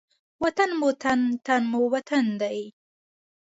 وطن مو تن، تن مو وطن دی.